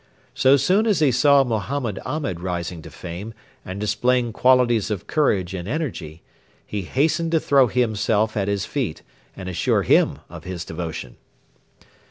So soon as he saw Mohammed Ahmed rising to fame and displaying qualities of courage and energy, he hastened to throw himself at his feet and assure him of his devotion.